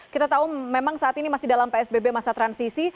kita tahu memang saat ini masih dalam psbb masa transisi